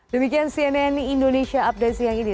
demikian cnn indonesia update siang ini